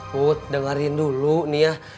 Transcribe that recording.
put dengerin dulu nih ya